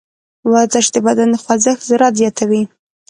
ورزش د بدن د خوځښت سرعت زیاتوي.